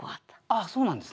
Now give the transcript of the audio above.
あっそうなんですね。